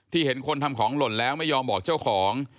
เห็นคนทำของหล่นแล้วไม่ยอมบอกเจ้าของ